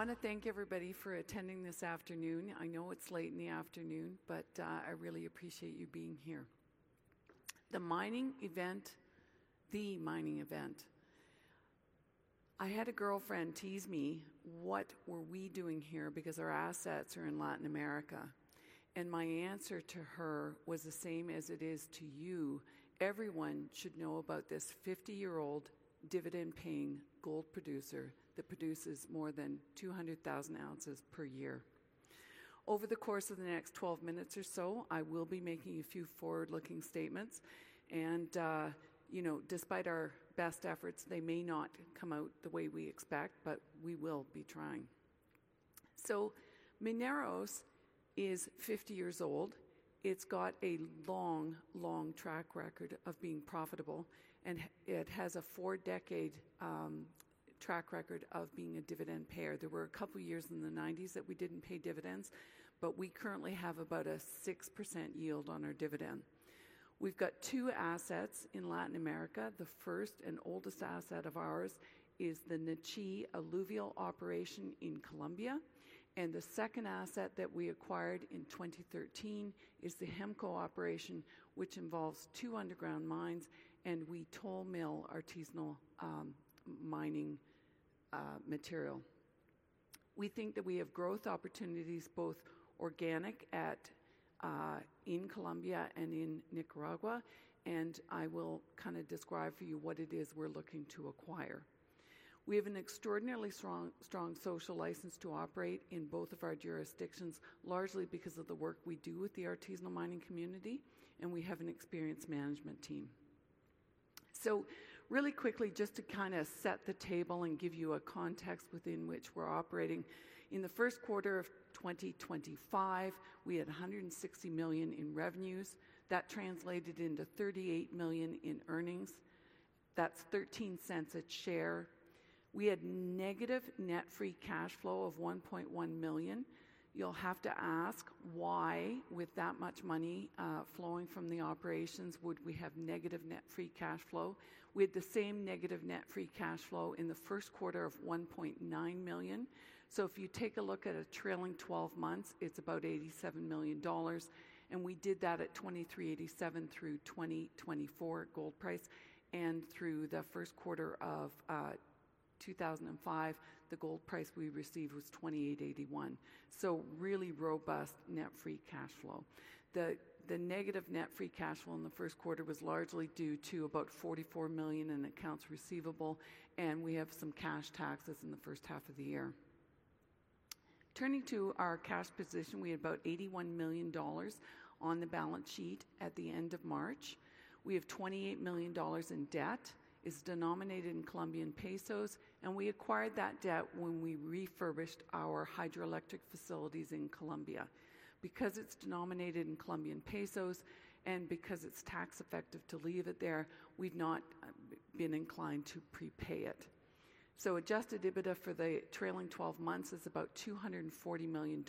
I want to thank everybody for attending this afternoon. I know it's late in the afternoon, but I really appreciate you being here. The mining event. I had a girlfriend tease me, "What were we doing here? Because our assets are in Latin America," and my answer to her was the same as it is to you: everyone should know about this 50-year-old dividend-paying gold producer that produces more than 200,000 ounces per year. Over the course of the next 12 minutes or so, I will be making a few forward-looking statements, and, you know, despite our best efforts, they may not come out the way we expect, but we will be trying, so Mineros is 50 years old. It's got a long, long track record of being profitable, and it has a four-decade track record of being a dividend payer. There were a couple of years in the 1990s that we didn't pay dividends, but we currently have about a 6% yield on our dividend. We've got two assets in Latin America. The first and oldest asset of ours is the Nechí Alluvial Operation in Colombia, and the second asset that we acquired in 2013 is the Hemco operation, which involves two underground mines, and we toll mill artisanal mining material. We think that we have growth opportunities both organic in Colombia and in Nicaragua, and I will kind of describe for you what it is we're looking to acquire. We have an extraordinarily strong social license to operate in both of our jurisdictions, largely because of the work we do with the artisanal mining community, and we have an experienced management team. Really quickly, just to kind of set the table and give you a context within which we're operating. In the first quarter of 2025, we had $160 million in revenues. That translated into $38 million in earnings. That's $0.13 a share. We had negative net free cash flow of $1.1 million. You'll have to ask why, with that much money flowing from the operations, would we have negative net free cash flow? We had the same negative net free cash flow in the first quarter of $1.9 million. If you take a look at a trailing 12 months, it's about $87 million, and we did that at $2,387 through 2024 gold price, and through the first quarter of 2025, the gold price we received was $2,881. Really robust net free cash flow. The negative net free cash flow in the first quarter was largely due to about $44 million in accounts receivable, and we have some cash taxes in the first half of the year. Turning to our cash position, we had about $81 million on the balance sheet at the end of March. We have $28 million in debt. It's denominated in Colombian pesos, and we acquired that debt when we refurbished our hydroelectric facilities in Colombia. Because it's denominated in Colombian pesos and because it's tax-effective to leave it there, we've not been inclined to prepay it. So, adjusted EBITDA for the trailing 12 months is about $240 million,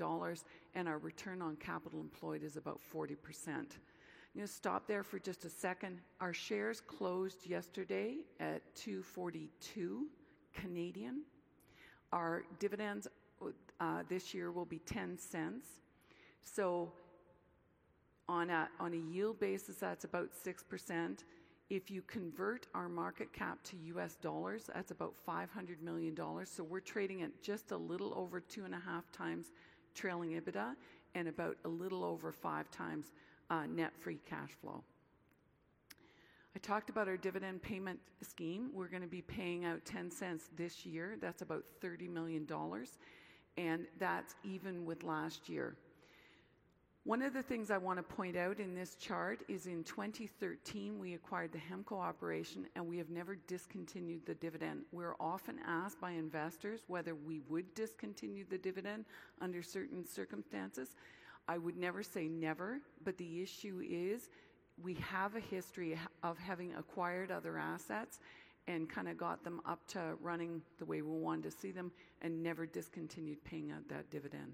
and our return on capital employed is about 40%. I'm going to stop there for just a second. Our shares closed yesterday at 242. Our dividends this year will be 0.10. So, on a yield basis, that's about 6%. If you convert our market cap to U.S. dollars, that's about $500 million. So, we're trading at just a little over two and a half times trailing EBITDA and about a little over five times net free cash flow. I talked about our dividend payment scheme. We're going to be paying out $0.10 this year. That's about $30 million, and that's even with last year. One of the things I want to point out in this chart is, in 2013, we acquired the Hemco operation, and we have never discontinued the dividend. We're often asked by investors whether we would discontinue the dividend under certain circumstances. I would never say never, but the issue is we have a history of having acquired other assets and kind of got them up to running the way we wanted to see them and never discontinued paying out that dividend.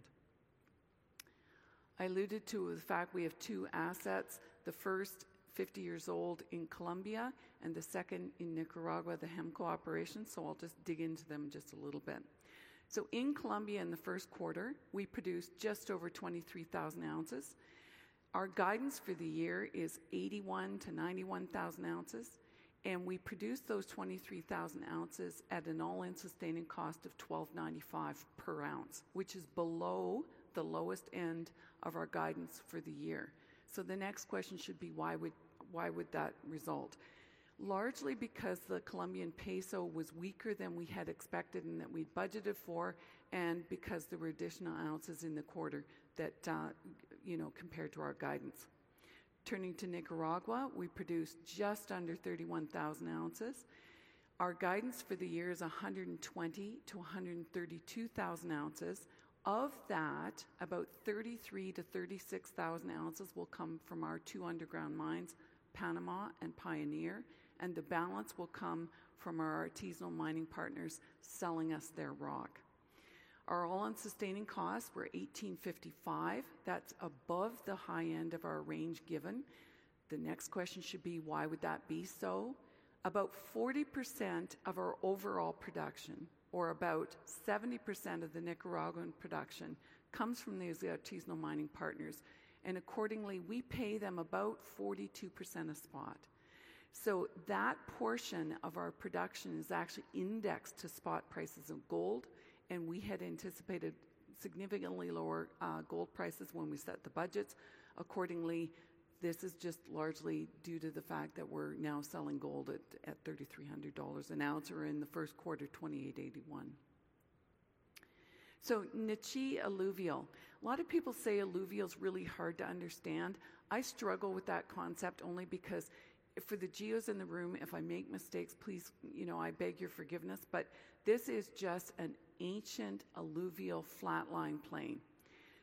I alluded to the fact we have two assets. The first, 50 years old in Colombia, and the second in Nicaragua, the Hemco operation. So, I'll just dig into them just a little bit. So, in Colombia, in the first quarter, we produced just over 23,000 ounces. Our guidance for the year is 81,000-91,000 ounces, and we produced those 23,000 ounces at an all-in sustaining cost of $1,295 per ounce, which is below the lowest end of our guidance for the year. So, the next question should be, why would that result? Largely because the Colombian peso was weaker than we had expected and that we'd budgeted for, and because there were additional ounces in the quarter that, you know, compared to our guidance. Turning to Nicaragua, we produced just under 31,000 ounces. Our guidance for the year is 120,000-132,000 ounces. Of that, about 33-36,000 ounces will come from our two underground mines, Panama and Pioneer, and the balance will come from our artisanal mining partners selling us their rock. Our all-in sustaining costs were $1,855. That's above the high end of our range given. The next question should be, why would that be so? About 40% of our overall production, or about 70% of the Nicaraguan production, comes from these artisanal mining partners, and accordingly, we pay them about 42% of spot. So, that portion of our production is actually indexed to spot prices of gold, and we had anticipated significantly lower gold prices when we set the budgets. Accordingly, this is just largely due to the fact that we're now selling gold at $3,300 an ounce, or in the first quarter, $2,881. So, Nechí Alluvial. A lot of people say alluvial is really hard to understand. I struggle with that concept only because, for the geos in the room, if I make mistakes, please, you know, I beg your forgiveness, but this is just an ancient alluvial flatline plane.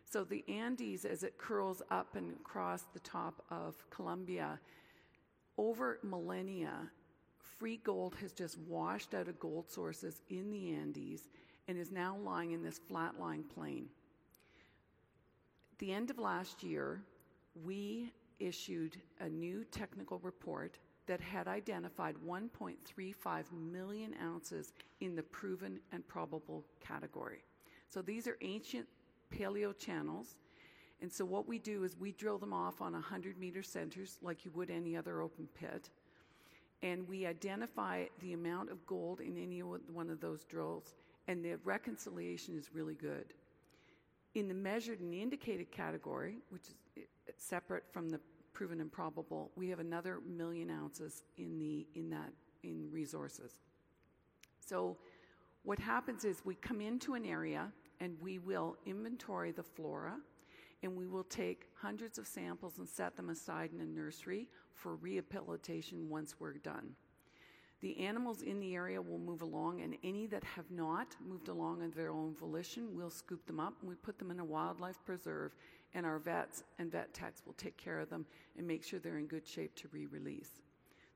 So, the Andes, as it curls up and across the top of Colombia, over millennia, free gold has just washed out of gold sources in the Andes and is now lying in this flatline plane. At the end of last year, we issued a new technical report that had identified 1.35 million ounces in the proven and probable category. So, these are ancient paleo channels, and so what we do is we drill them off on 100-meter centers, like you would any other open pit, and we identify the amount of gold in any one of those drills, and the reconciliation is really good. In the measured and indicated category, which is separate from the proven and probable, we have another million ounces in that in resources, so what happens is we come into an area, and we will inventory the flora, and we will take hundreds of samples and set them aside in a nursery for rehabilitation once we're done. The animals in the area will move along, and any that have not moved along on their own volition, we'll scoop them up, and we put them in a wildlife preserve, and our vets and vet techs will take care of them and make sure they're in good shape to re-release,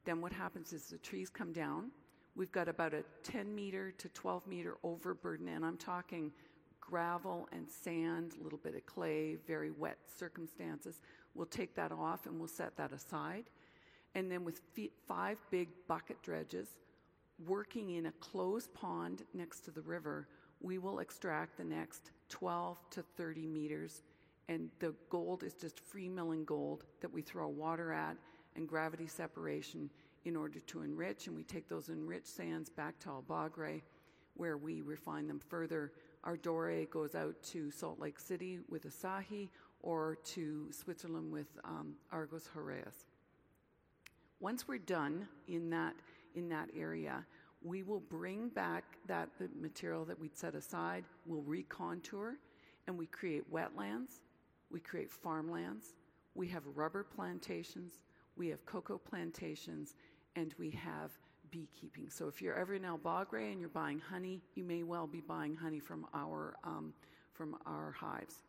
then what happens is the trees come down. We've got about a 10-meter-12-meter overburden, and I'm talking gravel and sand, a little bit of clay, very wet circumstances. We'll take that off, and we'll set that aside. Then, with five big bucket dredges working in a closed pond next to the river, we will extract the next 12-30 meters, and the gold is just free-milling gold that we throw water at and gravity separation in order to enrich, and we take those enriched sands back to El Bagre, where we refine them further. Our doré goes out to Salt Lake City with Asahi or to Switzerland with Argor-Heraeus. Once we're done in that area, we will bring back that material that we'd set aside, we'll recontour, and we create wetlands, we create farmlands, we have rubber plantations, we have cocoa plantations, and we have beekeeping. If you're ever in El Bagre and you're buying honey, you may well be buying honey from our hives.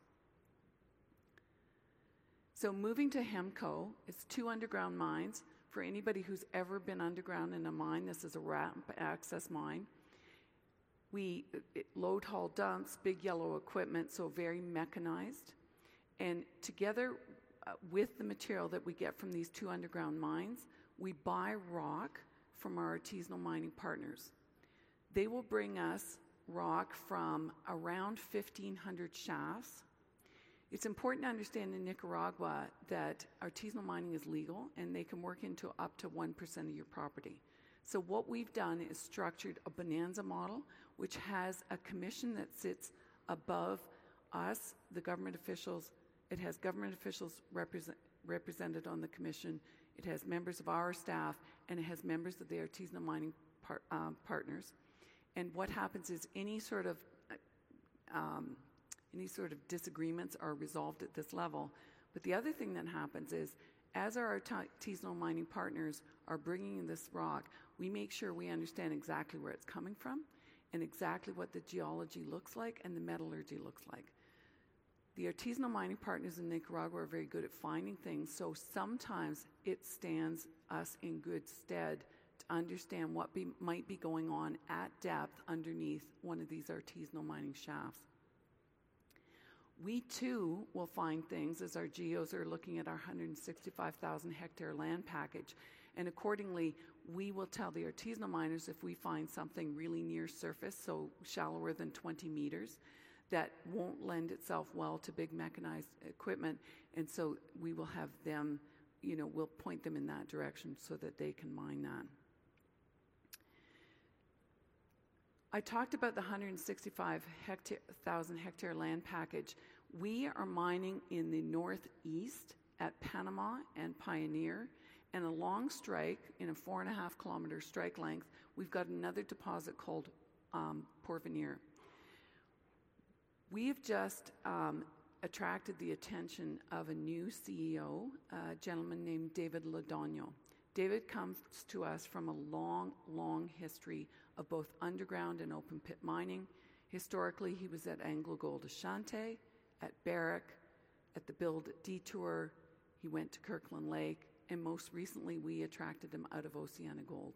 Moving to Hemco, it's two underground mines. For anybody who's ever been underground in a mine, this is a ramp access mine. We load haul dumps, big yellow equipment, so very mechanized, and together with the material that we get from these two underground mines, we buy rock from our artisanal mining partners. They will bring us rock from around 1,500 shafts. It's important to understand in Nicaragua that artisanal mining is legal, and they can work into up to 1% of your property, so what we've done is structured a Bonanza Model, which has a commission that sits above us, the government officials. It has government officials represented on the commission. It has members of our staff, and it has members of the artisanal mining partners, and what happens is any sort of disagreements are resolved at this level. But the other thing that happens is, as our artisanal mining partners are bringing in this rock, we make sure we understand exactly where it's coming from and exactly what the geology looks like and the metallurgy looks like. The artisanal mining partners in Nicaragua are very good at finding things, so sometimes it stands us in good stead to understand what might be going on at depth underneath one of these artisanal mining shafts. We, too, will find things as our geos are looking at our 165,000-hectare land package, and accordingly, we will tell the artisanal miners if we find something really near surface, so shallower than 20 meters, that won't lend itself well to big mechanized equipment, and so we will have them, you know, we'll point them in that direction so that they can mine that. I talked about the 165,000-hectare land package. We are mining in the northeast at Panama and Pioneer, and along strike in a four-and-a-half-kilometer strike length, we've got another deposit called Porvenir. We have just attracted the attention of a new CEO, a gentleman named David Londoño. David comes to us from a long, long history of both underground and open-pit mining. Historically, he was at AngloGold Ashanti, at Barrick, at Detour, he went to Kirkland Lake, and most recently, we attracted him out of OceanaGold.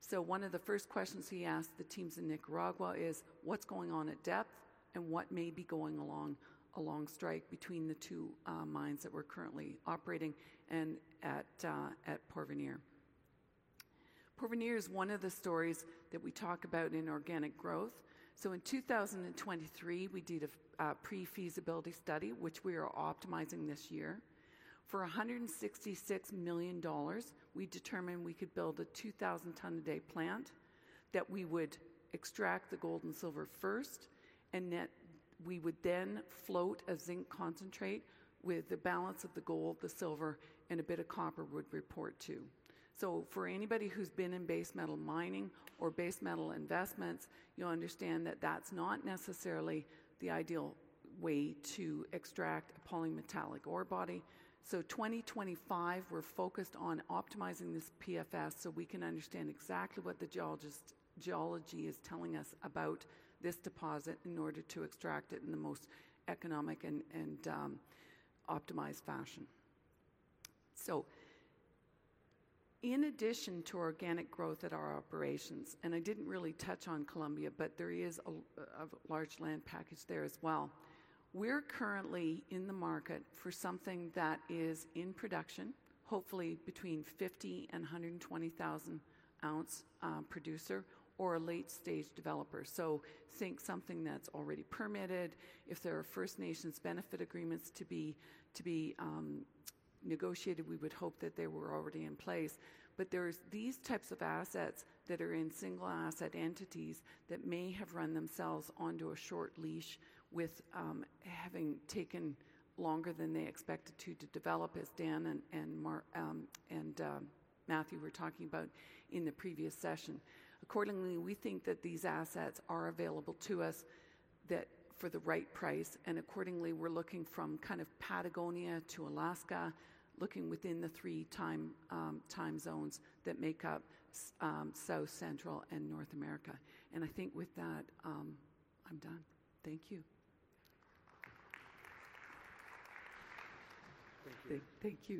So, one of the first questions he asks the teams in Nicaragua is, what's going on at depth and what may be going along strike between the two mines that we're currently operating and at Porvenir? Porvenir is one of the stories that we talk about in organic growth. So, in 2023, we did a pre-feasibility study, which we are optimizing this year. For $166 million, we determined we could build a 2,000-ton-a-day plant that we would extract the gold and silver first, and that we would then float a zinc concentrate with the balance of the gold, the silver, and a bit of copper we'd report to. So, for anybody who's been in base metal mining or base metal investments, you'll understand that that's not necessarily the ideal way to extract a polymetallic ore body. So, 2025, we're focused on optimizing this PFS so we can understand exactly what the geology is telling us about this deposit in order to extract it in the most economic and optimized fashion. In addition to organic growth at our operations, and I didn't really touch on Colombia, but there is a large land package there as well, we're currently in the market for something that is in production, hopefully a 50-120,000-ounce producer or a late-stage developer. Think something that's already permitted. If there are First Nations benefit agreements to be negotiated, we would hope that they were already in place. There are these types of assets that are in single-asset entities that may have run themselves onto a short leash with having taken longer than they expected to develop, as Dan and Matthew were talking about in the previous session. Accordingly, we think that these assets are available to us for the right price, and accordingly, we're looking from kind of Patagonia to Alaska, looking within the three time zones that make up South, Central, and North America. And I think with that, I'm done. Thank you. Thank you.